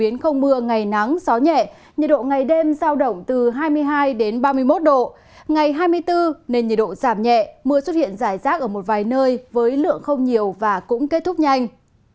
ngày hai mươi bốn nên nhiệt độ giảm nhẹ mưa xuất hiện rải rác ở một vài nơi với lượng không nhiều và cũng kết thúc nhanh